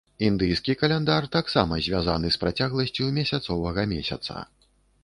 Індыйскі каляндар таксама звязаны з працягласцю месяцавага месяца.